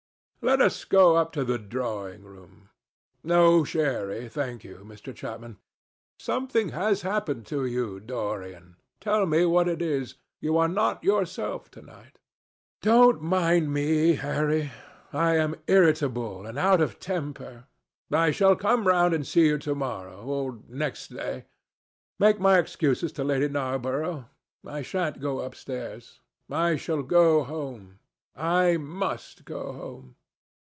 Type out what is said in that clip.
Let us go up to the drawing room. No sherry, thank you, Mr. Chapman. Something has happened to you, Dorian. Tell me what it is. You are not yourself to night." "Don't mind me, Harry. I am irritable, and out of temper. I shall come round and see you to morrow, or next day. Make my excuses to Lady Narborough. I shan't go upstairs. I shall go home. I must go home."